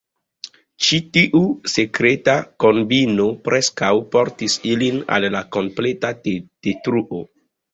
Ĉi tiu sekreta kombino preskaŭ portis ilin al la kompleta detruo.